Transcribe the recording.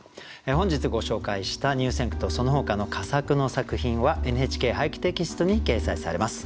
本日ご紹介した入選句とそのほかの佳作の作品は「ＮＨＫ俳句」テキストに掲載されます。